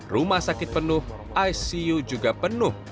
rumah sakit penuh icu juga penuh